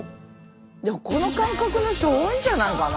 でもこの感覚の人多いんじゃないかな？